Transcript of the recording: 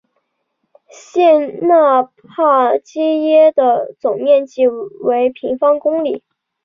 谢讷帕基耶的总面积为平方公里。